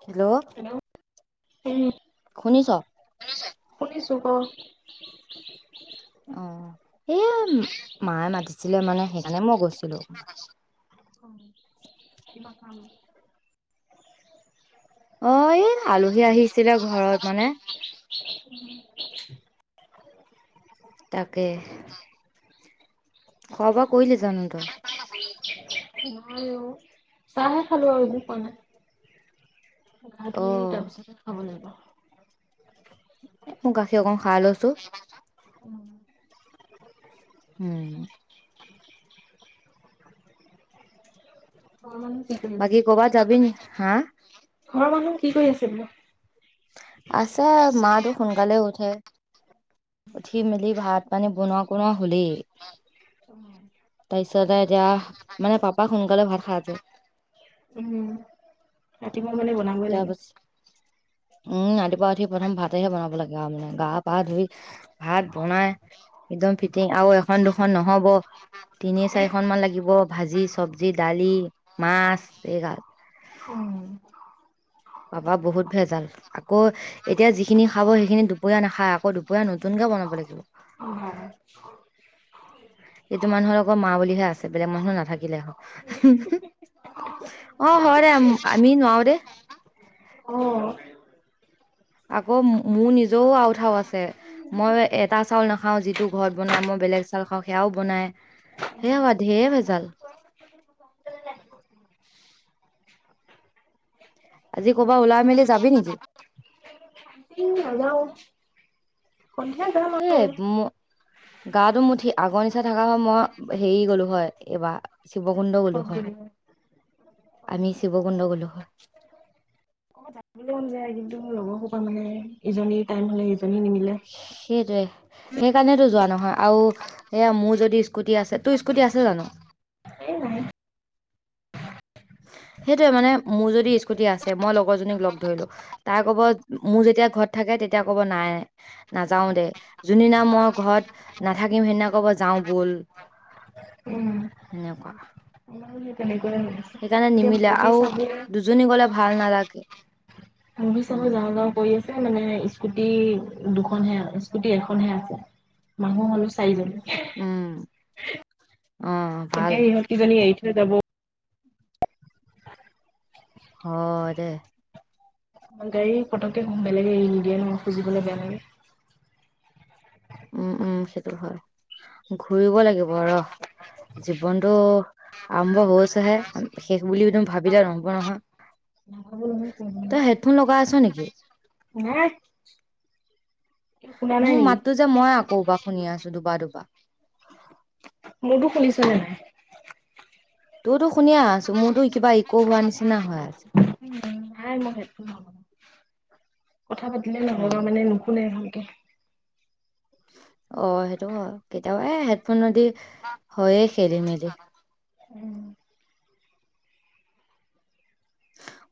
Hello উম শুনিছ? শুনিছো ক অ স মায়ে মাতিছিলে মানে সেইকাৰণে মই গৈছিলো অ কিমান কাম অ এই আলহী আহিছিলে ঘৰত মানে [inaudible] তাকে [inaudible] খোৱা বোৱা কৰিলি জানো তই? নাই অ চাহে খালো আৰু একো খোৱা নাই গা ধুই অ', তাৰ পিছতে খাব লাগিব মই গাখীৰ অকণ খাই লৈছো উম উম [inaudible] ঘৰৰ মানুহ কি কৰি বাকী আছে কৰ'বাত যাবি নি? হা? ঘৰৰ মানুহ কি কৰি আছে বোলো আছে মাতটো সোনকালে উঠে উঠি মেলি ভাত পানী বনোৱা কনোৱা হলেই তাৰপিছতে এতিয়া মানে পাপাক সোনকালে ভাত খাই যে উম ৰাতিপুৱা মানে বনাবই লাগে তাৰপিছ উম ৰাতিপুৱা উঠি প্ৰথম ভাতেহে বনাব লাগে আৰু মানে গা পা ধুই ভাত বনাই একদম ফিটিং আৰু এখন দুখন নহব তিনি চাৰিখনমান লাগিব ভাজি চব্জি দালি মাছ এইগাল পাবা বহুত ভেজাল আকৌ এতিয়া যিখিনি খাব সেইখিনি দুপৰীয়া নাখায় আকৌ দুপৰীয়া নতুনক বনাব লাগিব অ হয় এইটো মানুহৰ লগৰ মা বুলিহে আছে বেলেগ মানুহ নাথাকিলে হ'ল অ হয় আমি নোৱাৰো দেই অ আকৌ মোৰ নিজৰও আউঠাও আছে মই এটা চাউল নাখাও যিটো ঘৰত বনাম মই বেলেগ চাল খাওঁ সেয়াও বনাই সেয়া ধেই ভেজাল [unintelligible] [inaudible] আজি কৰ'বাত ওলাই মেলি যাবি নেকি নাযাও সন্ধিয়াত যাম এ আৰু উ গাটো মুঠি আগৰ নিচা থকা হয় মই হেৰি গলো হয় এইবাৰ শিৱকুণ্ড গলো হয় অ [unintelligible] আমি শিৱকুণ্ড গ'লো হয় ক'ৰবাত মন যায় কিন্তু লগৰ হূপা মানে ইজনী টাইম হলে ইজনী নিমিলে সেইটোৱে সেইকাৰণেতো যোৱা নহয় আৰু এয়া মোৰ যদি স্কুটি আছে তোৰ স্কুটি আছে জানো এই নাই [inaudible] সেইটোয়ে মানে মোৰ যদি স্কুটি আছে মই লগৰ জনীক লগ ধৰিলো তাৰ কব মোৰ যেতিয়া ঘৰত থাকে [unintelligible] তেতিয়া কব নাই নাযাও দে যোনদিনা মই ঘৰত নাথাকিম সেইদিনা কব যাও ব কল হয় এনেকুৱা সেই তেনেকুৱাই হৈ আছে সেইকাৰণে এতিয়া নিমিলে মুভি আৰু চাবি দুজনী গলে ভাল নালাগে সুহি চাব উম লাহে লাহে পৰি আছে মানে স্কুটি দুখনহে স্কুটি এখনহে আছে মানুহ হলো চাৰিজন উম অ ভাল এতিয়া ইহঁত কেইজনীক এৰি থৈ যাব হয় দে গাড়ী পটককে বেলেগে এৰি নিদিয়ে নহয় খুজিবলৈ বেয়া লাগে উম উম সেইটো হয় ঘূৰিব লাগিব ৰ জীৱনটো আৰম্ভ হৈছে হে শেষ বুলি একদম ভাবিলে নহব নহয় ন [inaudible] তই হেডফোন লগাই আছ নেকি নাই শুনা নাই মোৰ নেকি মাতো যে মই আকৌবাৰ শুনি আছো দুবাৰ দুবাৰ [unintelligible] মোৰতো শুনিছ নে নাই তোৰতো শুনিয়েই আছো মোৰতো কিবা পঢ়োৱা নিচিনা হৈ আছে নাই মই হেডফোন নলগাও কথা পাতিলে নহ'ব উম মানে নুশুনে ভালকে অ সেইটো হয় কেতিয়াবা এ হেডফোনেদি হয় খেলি মেলি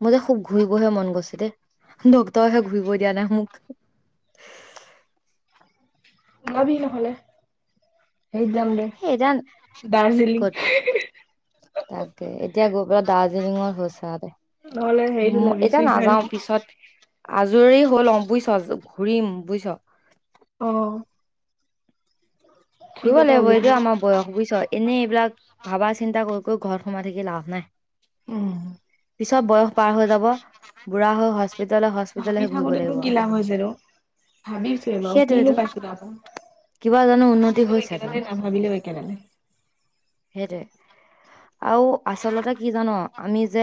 মোৰো খুব ঘূৰি বহে মন গৈছে দেই ডক্টৰে হে ঘূৰিব দিয়া নাই মোক ওলাবি নহলে সেই যাম দে সেই এতিয়া ৰ্দাজিৰ্লিং ক'ত তাকে এতিয়া গৈ পেলাই ৰ্দাজিলিং হে হৈছে গে নহ'লে হেৰিটো লাগিছে এতিয়া নাযাও পিছত আজৰি হৈ ল'ও বুজিছ ঘূৰিম বুজিছ অ ট্ৰিপ ঘূৰিব এটা লাগিব এইটো উলিয়াবি আমাৰ বয়স বুজিছ এনেই এইবিলাক ভাবা চিন্তা কৰি কৰি ঘৰত সোমাই থাকি লাভ নাই উম পিছত বয়স পাৰ হৈ যাব বুঢ়া হৈ হস্পি ভাবি থাকোতে নো কি লাভ হৈছে তোৰ ভাবিছো বাৰু কিনো সেইটোৱেটো পাইছো বাৰু কিবা জানো উন্নতি ভাবিলেও হৈছে একেডালে জানো নেভাবিলেও একেডালে সেইটোৱে আৰু আচলতে কি জান আমি যে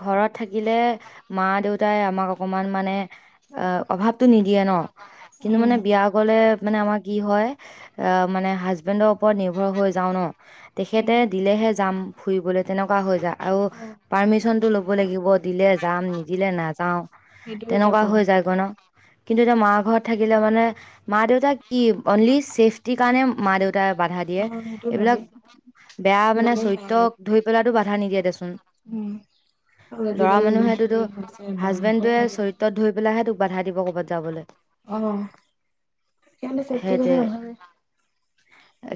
ঘৰত থাকিলে মা দেউতাই আ তোমাক অকমান মানে অ অভাৱটো নিদিয়ে ন কিন্তু মানে বিয়া গলে মানে আমাৰ কি হয় মানে হাজবেণ্ডৰ ওপৰত নিৰ্ভৰ হৈ যাওঁ ন তেখেতে দিলেহে যাম ফুৰিবলে তেনেকুৱা হৈ যায় আৰু অ পাৰ্মিশন টো ল'ব লাগিব দিলে যাম নিদিলে নাযাও সেইটো এটা তেনেকুৱা হৈ প্ৰব্লেম যায়গৈ ন কিন্তু এতিয়া মা ঘৰত থাকিলে মানে মা দেউতাক কি অনলি ছেফটিৰ কাৰণে মা দেউতা বাধা দিয়ে অ সেইটো এইবিলাক ভাবি বেয়া মানে বেলেগ নাই চৰিত্ৰ আৰু ধৰি পেলাই বাধা নিদিয়ে দেচোন উম, আৰু ল'ৰা আজিকালি যি মানুহে টোতো যি হৈছে বা ভয় হাজবেণ্ডটোয়ে লাগে চৰিত্ৰত ধৰি পেলাইহে তোক বাধা দিব ক'ৰবাত যাবলৈ অ সিহঁতৰ চৰিত্ৰ সেনেকুৱা সেইটোৱে যে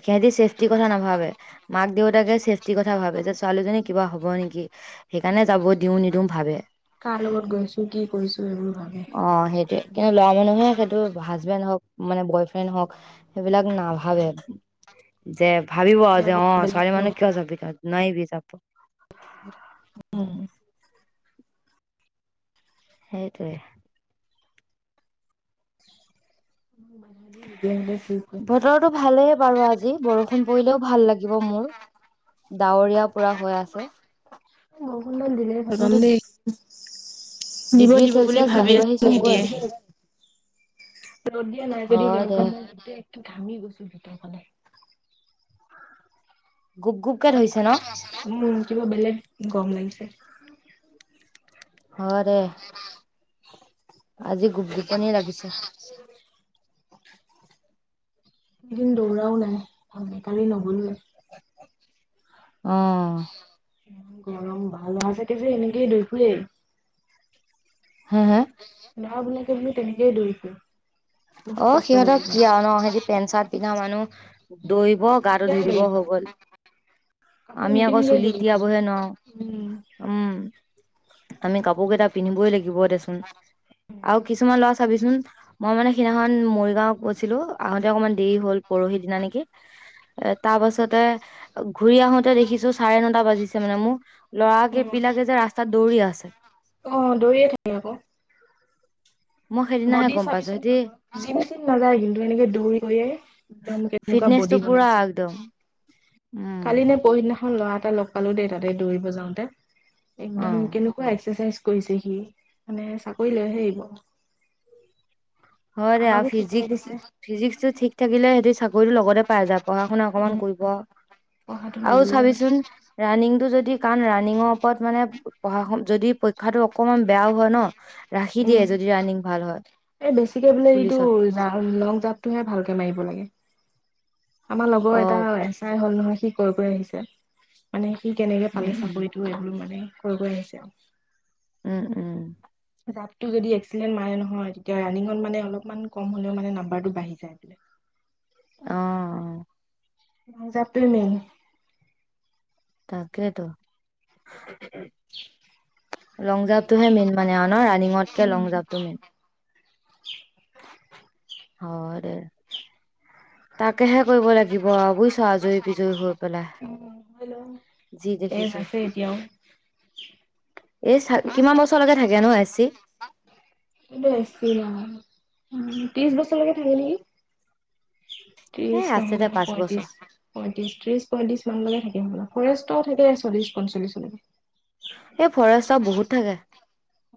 সিহঁতি ছেফটিৰ কথা নাভাবে মাক দেউতাকে ছেফটিৰ কথা ভাবে যে ছোৱালীজনী কিবা হব নেকি সেইকাৰণে যাব দিওঁ নিদিও ভাবে কাৰ লগত গৈছো কি কৰিছো এইবোৰ ভাবে অ সেইটোৱে কিন্তু ল'ৰা মানুহে সেইটো হাজবেণ্ড হওক মানে বয় ফ্ৰেণ্ড হওক এইবিলাক নাভাবে যে ভাবিব এতিয়া যে আকৌ অ বেলেগৰ ছোৱালী মানুহ লগত কিয় যাবি নোৱাৰিবি যাব উম, সেইটোৱে। [unintelligible] ভালে বাৰু আজি বৰষুণ পৰিলেও ভাল লাগিব মোৰ। ডাৱৰীয়া পুৰা হৈ আছে। গ কিন্তু দ। দিব ডিগ্ৰী দিব বুলি চেলচিয়াছ ভাবি বাঢ়ি বাঢ়ি আছো চোন গৈ নিদিয়ে। আছে ৰ'দ দিয়া নাই যদিও হয় গ দে কাৰে ৰদ দিয়া এক ঘামি গৈছো ভিতৰ ফালে। গুপ গুপকে ধৰিছে ন উম কিবা বেলেগ গম লাগিছে। উ হয় দে আজি গোপগোপনী লাগিছে। এদিন দৌৰাও নাই আ কালি নগলোৱে। অ। গৰম ল'ৰা ছোৱালী বোৰে এনেকেই দৈ ফুৰেই। হা হা। ল'ৰাবলাকে বোলো তেনেকেই দৌৰি ফুৰে বহুত অ কষ্ট কৰিব সিহঁতক পাৰে কি আৰু ন সিহতি পেণ্ট চাৰ্ট পিন্ধা মানুহ দৌৰিব গাটো ধুই দিব হবই অ। আমি আকৌ চুলি তিয়াবহে নোৱাৰো উম উম আমি কাপোৰ কেইটা পিন্ধিবই লাগিব। লিব দেচোন আৰু কিছুমান ল'ৰা চাবিচোন মই মানে। সিদিনাখন মৰিগাঁও গৈছিলো আহোঁতে অকমান দেৰি হ'ল পৰহি দিনা নেকি এ তাৰ পাছতে ঘূৰি আহোতে দেখিছো চাৰে নটা বাজিছে মানে মোৰ। অ লৰাৰাকেই বিলাকে যে ৰাস্তাত দৌৰি আছে। অ দৰিয়ে থাকি আকৌ। মই সেইদিনাহে বডি গম পাইছো চাবিছোন সিহতি সিহতক জম চম নাযায় কিন্তু এনেকে দৌৰিয়ে একদম কেনেকুৱা বডি ফিটনেচটো বনাই পুৰা আছে। একদম উম কালি নে পহদিনাখন ল'ৰা এটা লগ পালো দেই তাতে দৌৰিব যাওঁতে। অ একদম কেনেকুৱা এক্সাৰচাইজ কৰিছে সি মানে চাকৰি লৈহে আহিব? হয় দে আৰু ফিজিক ফিজিক্সটো ঠিক থাকিলে সিহতি চাকৰিতো লগতে পাই যায় পঢ়া শুনা অকনমান উম পঢ়াটো আৰু লাগিলে হ'ল। চাবিচোন ৰানি টো যদি কণ ৰাণিঙৰ ওপৰত মানে পঢ়া শু যদি পৰীক্ষাাতটো অকনমান বেয়াও হয় ন। ৰাখি দিয়ে যদি ৰানিিং ভাল হয়। গিকে বোলে এইটো পুলিচত জ লং জাপটোহে ভালকে মাৰিব লাগে। আমাৰ লগৰ অ এটা এচাই হ'ল নহয় সি কয় কৰি আহিছে মানে। কি কেনেকে উম পালে উম চাকৰিটো এইবোৰ মানে কৈ কৈ আহিছে আৰু। উম উম জাপটো যদি এক্সেণ্ট মাৰে নহয় তেতিয়া ৰানিংঙত মানে অলপমান কম হলেও মানে নাম্বাৰটো বাঢ়ি যায় বোলে। [unintelligible] আহ। [unintelligible] তাকেইেতো। লং জাম্পটোহে মেইন মানে ন ৰাণিঙতকে লং জাম্পটো মেইন। হয় দে। তাকেহে কৰিব লাগিব বুজিছ আজৰি বিজয়ী হৈ পেলাই। যি এই দেখিছো আছে এতিয়াও। এই চ কিমান বছৰলৈকে থাকে ন এ চি। বছিল আৰু উ ত্ৰিশ বছৰলৈকে থাকে নেকি? এ ত্ৰিশ আছে দে নহলে পাঁচ বছৰ পয়ত্ৰিশ পইয়ত্ৰিশ ত্ৰিশ পইয়ত্ৰিশ মান লৈকে থাকে। ফৰেষ্ট থাকে চল্লিশ পঞ্চল্লিশলৈকে এই ফৰেষ্টৰ বহুত থাকে।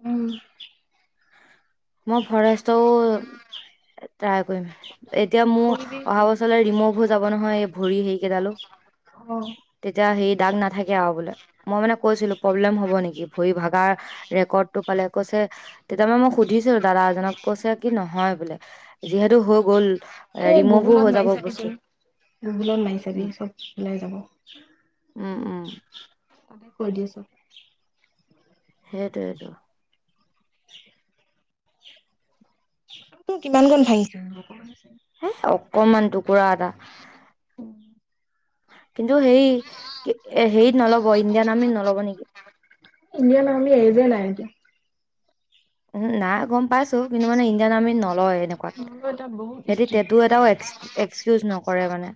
উম। মই ফৰেষ্টো ট্ৰাই কৰিম, এতিয়া মোৰ কৰিবি অহা কৰিবি বছৰলৈ ৰিমৌভ হয় যাব নহয় এই ভৰি সেৰিকেইডালো। অ তেতি হেই দাগ নাথাকে আৰু বোলে মই মানে কৈছিলো প্ৰব্লেম হ'ব নেকি ভৰি ভাগা ৰেকৰ্ড টো কলে কৈছে তেতিয়া মে মই সুধিছিলো দাদা এজনক কৈছে কি নহয় বোলে যিহেতু হৈ গল ৰিমুভো হৈ যাব বস্তু গগুলত মাৰিছাবি উম চব ওলাই যাব উম উম ক দিয়ে চপ সেইটো এইেইটো [unintelligible] তোৰ কিমান গুন ভাঙিছে হে অকনমান টুকুৰা এটা কিন্তু সেই হেইৰিত নল'ব ইণ্ডিয়ান আৰ্মী নল'ব নেকি ইণ্ডিয়ান আৰ্মি [unintelligible] উম না গম পাইছো কিন্তু মানে ইণ্ডিয়ান আৰ্মিত নলয় এনেকুৱাত নহ'লেও এটা বহুত সিহঁতি ষ্ট্ৰিক্ট। তেটো এটাও এক্সকিউজ নকৰে মানে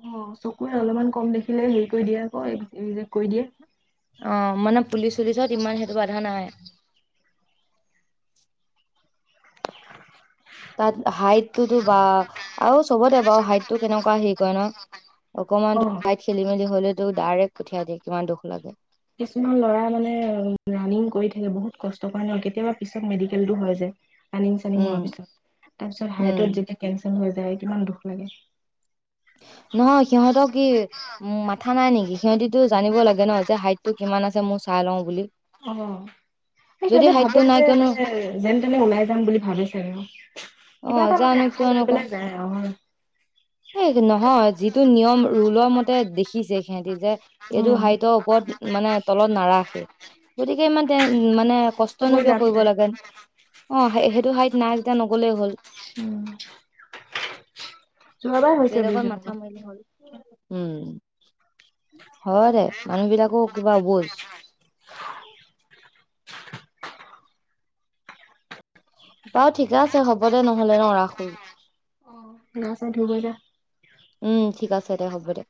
অ চকুৰে অলপমান কম দেখে হিলে হেৰি কৰি দিয়ে আকৌ ৰিজেক কৰি দিয়ে অ মানে পুলিচ চুলিচত ইমান সেইটো বাধা নাই। তাত হাইটটোতো বা আৰু চবতে বাৰু হাইটটো কেনেকুৱা সেই কৰে ন অকমান অ' তাইত খেলি মেলি হলেতো ডাইৰেক্ট পঠিয়াই দিয়ে কিমান দুখ লাগে। কিছুমান লৰা মানে ৰাণিং কৰি থাকে বহুত কষ্টৰ কাৰণে আৰু কেতিয়াবা পিছত মেডিকেল তো হয় যায়, ৰানিং চানিং হোৱাৰ উম পিছত, তাৰ পিছত হাৰ্টত উম যেতিয়া কেনচেল হৈ যায় কিমান দুখ লাগে। নহয় সিহঁতক কি মাথা নাই নেকি? সিহঁতিতো জানিব লাগে ন যে হাইট টো কিমান আছে মোৰ চাই লওঁ বুলি। অ। সে যদি সিহঁতে ভাবো হাইটটো নাই যে কিয়নো মানে যেনে তেনে ওলাই যাম বুলি ভাবে ছাগে অ। অ কিবা এটা মানে জানো আশা লৈ পেলাই যায় অ। হে নহয় যিটো নিয়ম ৰোলৰ মতে দেখিছে সিহঁতি যে এইটো উম। হাইটৰ ওপৰত মানে তলত নাৰাখেই। গতিকে ইমানতে মানে কষ্ট কষ্টনো কৰি কিয় লাভ কৰিব নাই। লাগে। অ অ সেইটো হাইট নাই যেতিয়া নগলেই হ'ল। উম। যোৱাবাৰ হৈছে বুলি তেনেকুৱা। [unintelligible] হয় দে মানুহ বিলাকো কিবা বুজ [unintelligible] বাৰ ঠিকে আছে হ'ব দে নহলে ন ৰাখোত। গা চা ধু গৈজা। উম ঠিক আছে দে হ'ব দে।